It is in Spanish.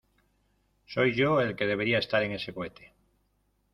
Soy yo el que debería estar en ese cohete.